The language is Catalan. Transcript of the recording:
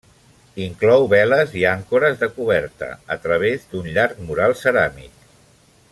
Inclou veles i àncores de coberta, a través d'un llarg mural ceràmic.